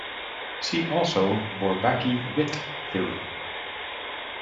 See also Bourbaki-Witt theorem.